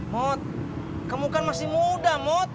mod kamu kan masih muda mod